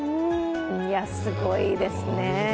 いや、すごいですね。